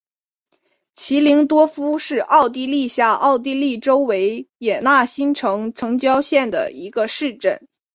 齐灵多夫是奥地利下奥地利州维也纳新城城郊县的一个市镇。